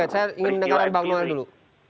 saya ingin mendengarkan bang noel dulu